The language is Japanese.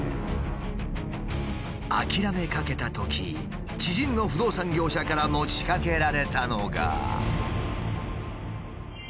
諦めかけたとき知人の不動産業者から持ちかけられたのが。